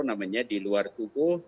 namanya di luar tubuh